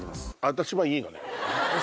私はいいのね。